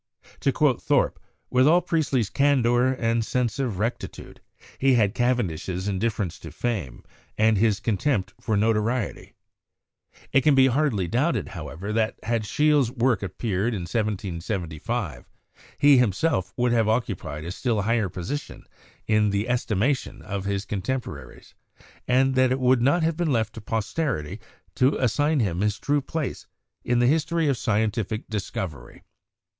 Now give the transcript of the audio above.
To quote Thorpe, "With all Priestley's candor and sense of rectitude, he had Caven dish's indifference to fame and his contempt for notoriety* THE PHLOGISTIC PERIOD PROPER 123 It can hardly be doubted, however, that had Scheele's work appeared in 1775 he himself would have occupied a still higher position in the estimation of his contempo raries, and that it would not have been left to posterity to assign him his true place in the history of scientific dis covery."